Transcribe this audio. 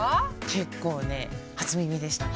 結構ね初耳でしたか？